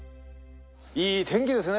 いい天気ですね。